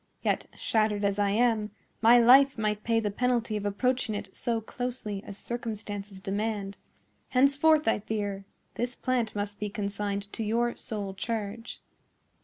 Yet, shattered as I am, my life might pay the penalty of approaching it so closely as circumstances demand. Henceforth, I fear, this plant must be consigned to your sole charge."